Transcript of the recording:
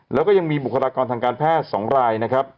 แล้วก็ยังมีบุคลากรทางการแพทย์สองราย